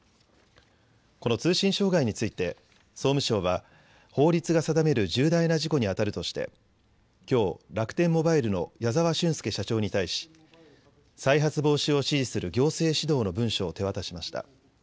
この通信障害について総務省は法律が定める重大な事故にあたるとしてきょう、楽天モバイルの矢澤俊介社長に対し再発防止を指示する行政指導の文書を手渡しました。